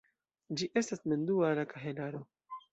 Ĝi estas mem-duala kahelaro.